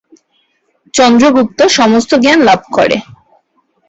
চন্দ্রগুপ্ত সমস্ত জ্ঞান লাভ করে।